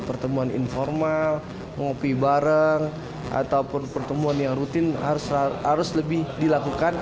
pertemuan informal ngopi bareng ataupun pertemuan yang rutin harus lebih dilakukan